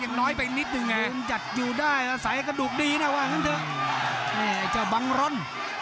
ยังน้อยไปนิดหนึ่งเอ่อจัดอยู่ได้อัศวินกระดูกดีนะว่านี่เจ้าบังรณ